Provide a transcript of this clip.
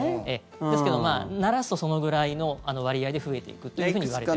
ですけど、ならすとそのぐらいの割合で増えていくというふうにいわれています。